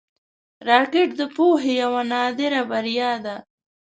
راکټ د پوهې یوه نادره بریا ده